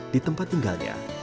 di tempat tinggalnya